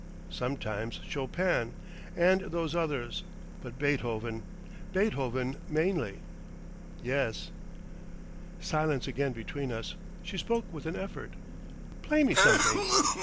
Sometimes Chopin and those others, but Beethoven. Beethoven mainly. Yes." Silence again between us. She spoke with an effort. "Play me something."